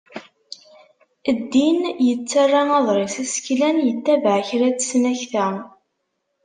Ddin yettarra aḍris aseklan yettabaɛ kra n tesnakta.